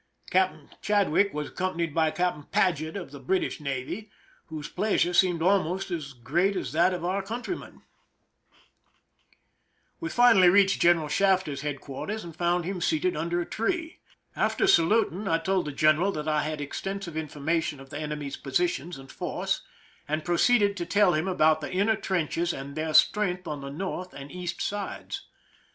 Captain Chad wick was accompanied by Captain Paget of the British navy, whose pleasure seemed almost as great as that of our countrymen. 303 THE SINKING OF THE "MEREIMAC" 'V^^'e finally reached G eneral Shafter's headquar ters, and found him seated under a tree. After saluiting, I told the general that I had extensive inf c>rmation of the enemy's positions and force, and proceeded to tell him about the inner trenches and their strength on the north and east sides..